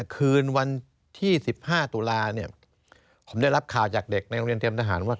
คืนวันที่๑๕ตุลาเนี่ยผมได้รับข่าวจากเด็กในโรงเรียนเตรียมทหารว่า